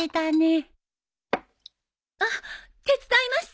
あっ手伝います。